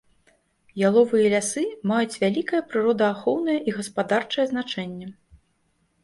Яловыя лясы маюць вялікае прыродаахоўнае і гаспадарчае значэнне.